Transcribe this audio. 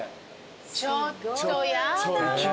ちょっとやだもう。